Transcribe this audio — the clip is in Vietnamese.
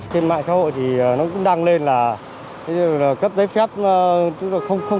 trên mạng xã hội thì nó cũng đăng lên là cấp giấy phép không có giấy phép